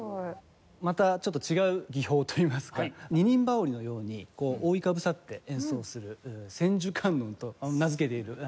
またちょっと違う技法といいますか二人羽織のようにこう覆いかぶさって演奏する千手観音と名付けている技があります。